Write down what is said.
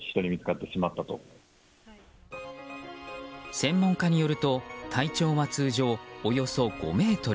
専門家によると体長は通常およそ５ｍ。